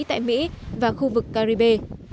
tại mỹ và khu vực caribe